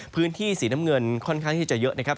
พื้นที่สีน้ำเงินค่อนข้างที่จะเยอะนะครับ